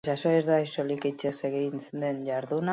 Inprobisazioa ez da soilik hitzez egiten den jarduna.